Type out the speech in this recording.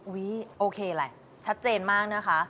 โอเคแหละชัดเจนมากนะคะ